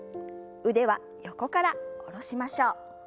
腕は横から下ろしましょう。